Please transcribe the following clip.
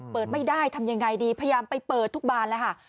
เปิดไม่ได้ทำยังไงดีพยายามไปเปิดทุกบานแล้วค่ะ